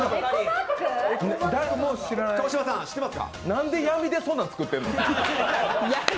なんで闇でそんなん作ってんの。